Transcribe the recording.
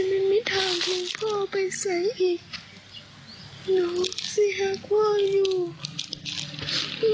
ได้รักพ่ออีกครั้ง